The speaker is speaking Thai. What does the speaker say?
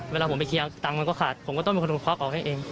เวลาผมไปเคลียร์ตังค์มันก็ขาดผมก็ต้องเป็นคนควักออกให้เอง